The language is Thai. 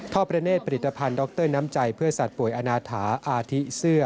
พระประเนธผลิตภัณฑ์ดรน้ำใจเพื่อสัตว์ป่วยอนาถาอาทิเสื้อ